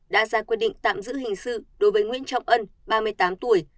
đã ra quyết định tạm giữ hình sự đối với nguyễn trọng ân ba mươi tám tuổi